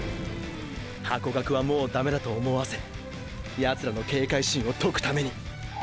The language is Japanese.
“ハコガクはもうダメだ”と思わせヤツらの警戒心を解くために！！